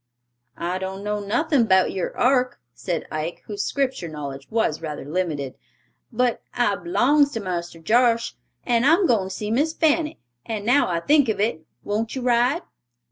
"I dun know nothin' 'bout yer ark," said Ike, whose Scripture knowledge was rather limited, "but I 'longs to Marster Josh, and I'm goin' to see Miss Fanny—and now I think of it, won't you ride?"